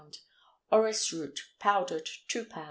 Orris root, powdered 2 lb.